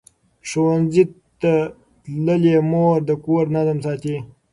ښوونځې تللې مور د کور نظم ساتي.